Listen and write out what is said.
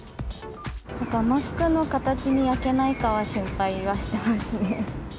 なんかマスクの形に焼けないかは心配はしてますね。